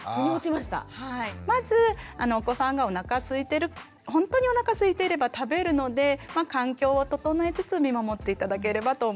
まずお子さんがおなかすいてる本当におなかすいていれば食べるので環境を整えつつ見守って頂ければと思います。